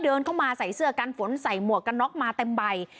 เดินเข้ามาใส่เสื้อกันฝนใส่หมวกกันน็อกมาเต็มใบ